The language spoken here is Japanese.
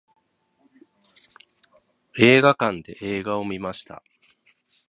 映画館で映画を観ました。